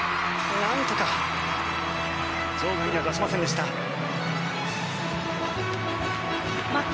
なんとか場外には出しませんでした。